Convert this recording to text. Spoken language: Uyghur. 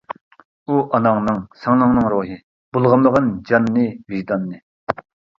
ئۇ ئاناڭنىڭ، سىڭلىڭنىڭ روھى، بۇلغىمىغىن جاننى، ۋىجداننى.